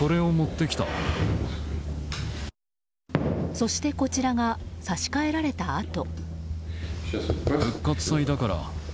そして、こちらが差し替えられたあと。